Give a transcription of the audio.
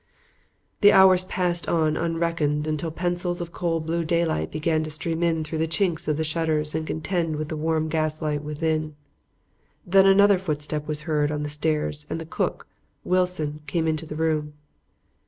"The hours passed on unreckoned until pencils of cold blue daylight began to stream in through the chinks of the shutters and contend with the warm gaslight within. Then another footstep was heard on the stairs and the cook, Wilson, came into the room.